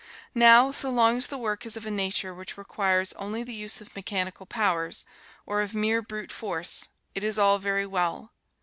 Now, so long as the work is of a nature which requires only the use of mechanical powers, or of mere brute force, it is all very well.